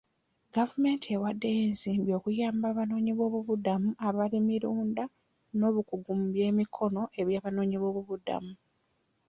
Gavumenti ewaddeyo ensimbi okuyamba abanoonyi b'obubuddamu abalimirunda n'obukugu mu by'emikono eby'abanoonyi b'obubuddamu.